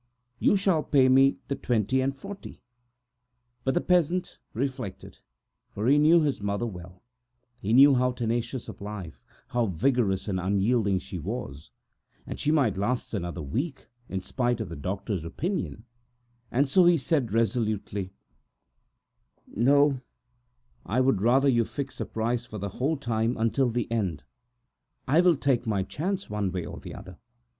You shall pay me the twenty and forty." But the peasant reflected, for he knew his mother well. He knew how tenacious of life, how vigorous and unyielding she was. He knew, too, that she might last another week, in spite of the doctor's opinion, and so he said resolutely: "No, I would rather you would fix a price until the end. I will take my chance, one way or the other.